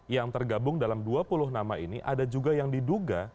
yang tergabung dalam dua puluh nama ini ada juga yang diduga